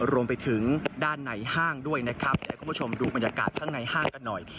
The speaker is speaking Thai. รวมไปถึงด้านในห้างด้วยนะครับเดี๋ยวคุณผู้ชมดูบรรยากาศข้างในห้างกันหน่อย